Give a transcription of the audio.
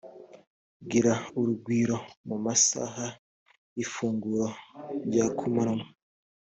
gira urugwiro mu masaha y’ ifunguro rya kumanywa